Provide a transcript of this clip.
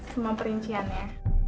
semua perincian ya